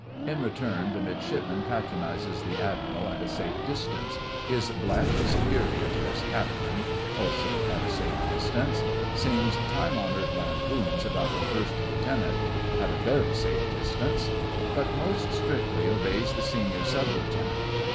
In return, the Midshipman patronises the Admiral at a safe distance; is blandly superior to his Captain—also at a safe distance; sings time honoured lampoons about the First Lieutenant at a very safe distance; but most strictly obeys the senior Sub Lieutenant.